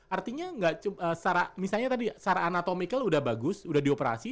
artinya nggak misalnya tadi secara anatomical udah bagus udah dioperasi